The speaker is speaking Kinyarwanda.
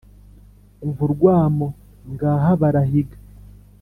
umva urwamo, ngaha barahiga :